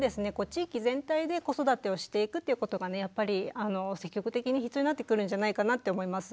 地域全体で子育てをしていくっていうことがやっぱり積極的に必要になってくるんじゃないかなって思います。